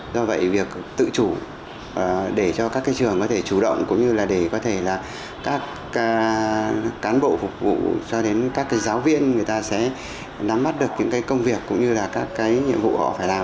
do vậy việc tự chủ để cho các trường có thể chủ động cũng như là để có thể là các cán bộ phục vụ cho đến các giáo viên người ta sẽ nắm bắt được những cái công việc cũng như là các cái nhiệm vụ họ phải làm